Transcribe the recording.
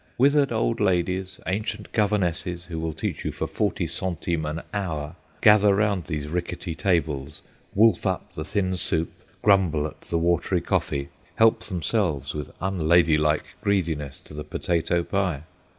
Withered old ladies, ancient governesses, who will teach you for forty centimes an hour, gather round these ricketty tables, wolf up the thin soup, grumble at the watery coffee, help themselves with unladylike greediness to the potato pie.